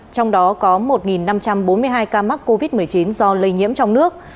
trong đó có một năm trăm bốn mươi hai ca mắc covid một mươi chín do lây nhiễm trong nước